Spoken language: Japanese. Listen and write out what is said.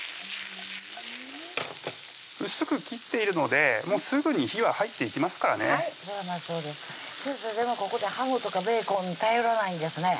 薄く切っているのでもうすぐに火は入っていきますからね先生でもここでハムとかベーコンに頼らないんですね